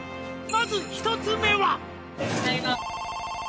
「まず１つ目は」